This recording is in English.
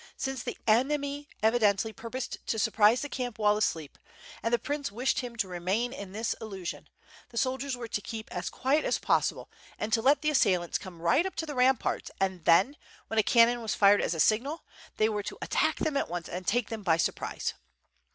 Since the enemy evi dently purposed to surprise the camp while asleep, and the WITH FIRE AND SWORD. 745 prince wished him to remain in this illusion, the soldiers were to keep as quiet as possible and to let the assailants come right up to the ramparts, and then, when a cannon was fired as a signal, they were to attack them at once and take them by surprise.